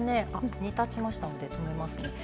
煮立ちましたんで止めますね。